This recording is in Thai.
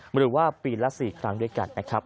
หรือว่าปีละ๔ครั้งด้วยกันนะครับ